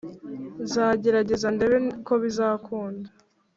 nzagerageza ndebe ko bizakunda”